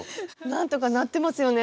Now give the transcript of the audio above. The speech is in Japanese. なんとかなってますよね